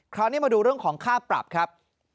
คราวนี้มาดูเรื่องของค่าปรับครับ